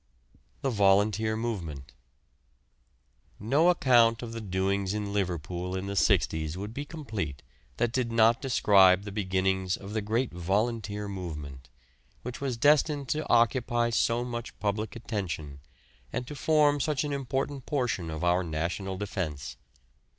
THE VOLUNTEER MOVEMENT. No account of the doings in Liverpool in the 'sixties would be complete that did not describe the beginnings of the great volunteer movement, which was destined to occupy so much public attention, and to form such an important portion of our national defence.